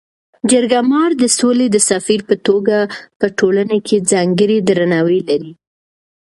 جرګه مار د سولي د سفیر په توګه په ټولنه کي ځانګړی درناوی لري.